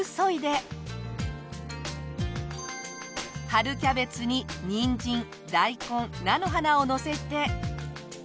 春キャベツに人参大根菜の花をのせて。